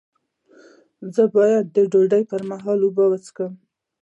ایا زه باید د ډوډۍ پر مهال اوبه وڅښم؟